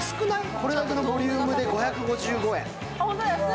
これだけのボリュームで５５５円。